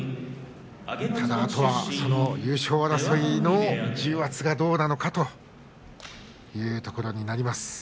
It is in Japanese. ただあとは優勝争いの重圧がどうなのかというところになります。